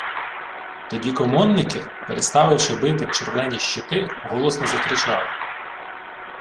Тоді комонники, переставши бити в червлені щити, голосно закричали: